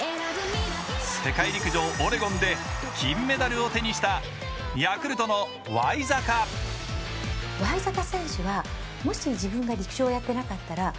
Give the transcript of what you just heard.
世界陸上オレゴンで金メダルを手にしたヤクルトのワイザカ。